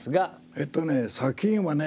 えっとね作品はね